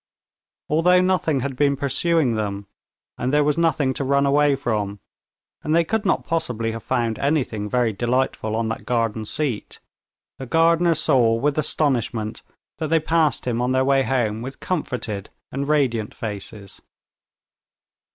Although nothing had been pursuing them, and there was nothing to run away from, and they could not possibly have found anything very delightful on that garden seat, the gardener saw with astonishment that they passed him on their way home with comforted and radiant faces.